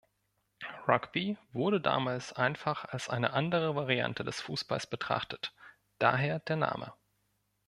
Rugby wurde damals einfach als eine andere Variante des Fußballs betrachtet, daher der Name.